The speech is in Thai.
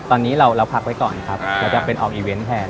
ตอนนี้เราพักไว้ก่อนครับเราจะเป็นออกอีเวนต์แทน